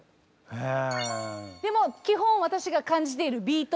へえ。